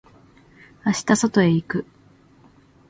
明日外へ行く。